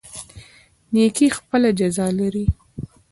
نیکي خپله جزا لري